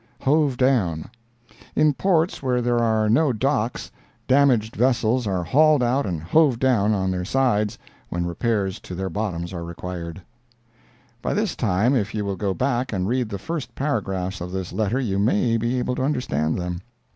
"Hove down"—In ports where there are [no] docks, damaged vessels are hauled out and "hove down" on their sides when repairs to their bottoms are required. By this time, if you will go back and read the first paragraphs of this letter you may be able to understand them.